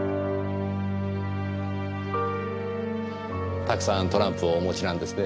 たくさんトランプをお持ちなんですね。